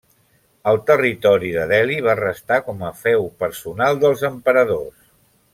El territori de Delhi va restar com a feu personal dels emperadors.